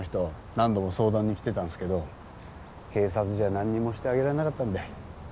何度も相談に来てたんすけど警察じゃ何にもしてあげられなかったんで。